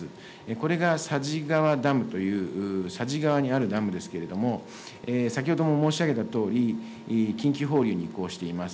これが佐治川ダムという、佐治川にあるダムですけれども、先ほども申し上げたとおり、緊急放流に移行しています。